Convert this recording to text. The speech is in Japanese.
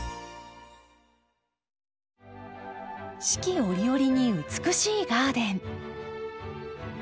四季折々に美しいガーデン。